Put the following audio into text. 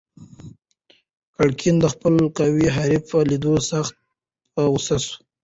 ګرګین د خپل قوي حریف په لیدو سخت په غوسه و.